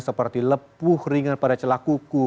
seperti lepuh ringan pada celah kuku